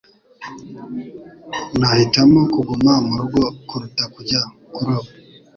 Nahitamo kuguma murugo kuruta kujya kuroba.